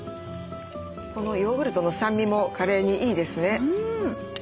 このヨーグルトの酸味もカレーにいいですね。